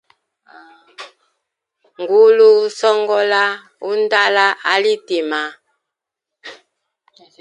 Ngulu usongola undala ali tima.